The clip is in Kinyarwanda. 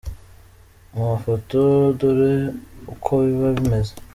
Mu mafoto dore uko biba bimeze :.